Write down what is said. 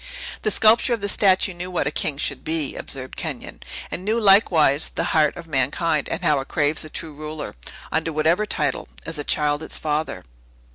"The sculptor of this statue knew what a king should be," observed Kenyon, "and knew, likewise, the heart of mankind, and how it craves a true ruler, under whatever title, as a child its father."